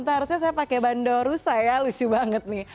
seharusnya saya pakai bandar rusak ya lucu banget nih